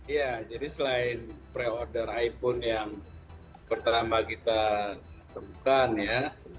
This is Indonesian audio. ya jadi selain pre order iphone yang pertama kita temukan ya